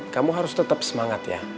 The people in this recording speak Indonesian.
kamu harus tetap semangat ya